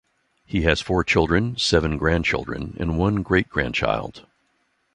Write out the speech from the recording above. He has four children, seven grandchildren, and one great-grandchild.